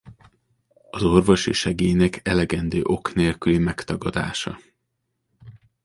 Az orvosi segélynek elegendő ok nélküli megtagadása.